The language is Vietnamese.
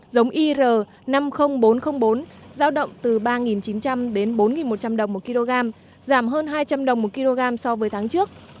giống ir năm mươi nghìn bốn trăm linh bốn giao động từ ba chín trăm linh đến bốn một trăm linh đồng một kg giảm hơn hai trăm linh đồng một kg so với tháng trước